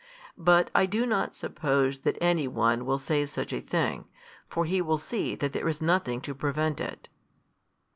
But I do not suppose that any one will say such a thing: for he will see that there is nothing to prevent it.